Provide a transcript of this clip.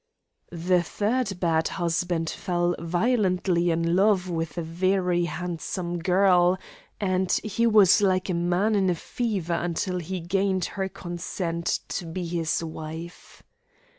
III The third bad husband fell violently in love with a very handsome girl, and he was like a man in a fever until he gained her consent to be his wife.